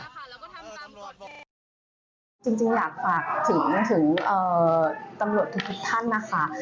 จริงอยากฝากถึงตำรวจทุกท่านนะคะ